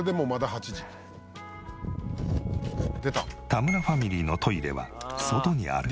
田村ファミリーのトイレは外にある。